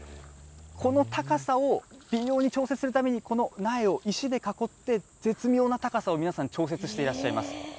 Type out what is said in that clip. この高さを微妙に調節するためにこの苗を石で囲って、絶妙な高さを皆さん、調節していらっしゃいます。